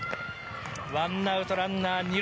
ワンアウトランナー２塁。